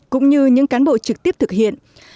cũng như những cán bộ trực tiếp thực hiện